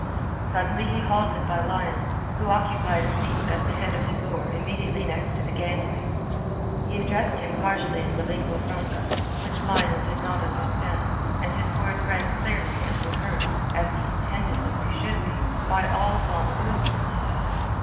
Suddenly he halted by Lionel, who occupied a seat at the head of his oar immediately next to the gangway. He addressed him harshly in the lingua franca, which Lionel did not understand, and his words rang clearly and were heard—as he intended that they should be—by all upon the poop.